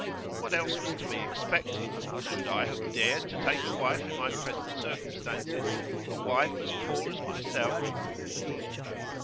What else was to be expected? Should I have dared to take a wife in my present circumstances a wife as poor as myself?